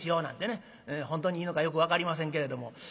本当にいいのかよく分かりませんけれども宣伝してはります。